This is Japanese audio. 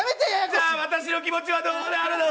じゃあ私の気持ちはどうなるの！